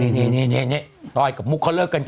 นี่นี่นี่นี่เเนี่ยทอยกับลุ้กเขาเลิกกันก่อน